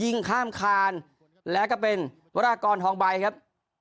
ข้ามคานแล้วก็เป็นวรากรทองใบครับ